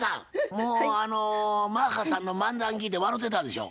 もうあのマッハさんの漫談聞いて笑うてたでしょ？